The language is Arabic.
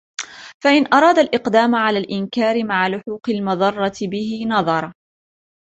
فَإِنْ أَرَادَ الْإِقْدَامَ عَلَى الْإِنْكَارِ مَعَ لُحُوقِ الْمَضَرَّةِ بِهِ نَظَرَ